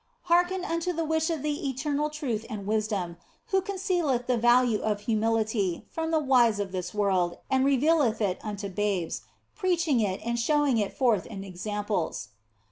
Hearken unto the wish of the eternal Truth and Wisdom, who concealeth the value of humility from the wise of this world and revealeth it unto babes, preaching it and showing it forth in examples.